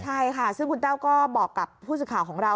ใช่ค่ะซึ่งคุณแต้วก็บอกกับผู้สื่อข่าวของเรา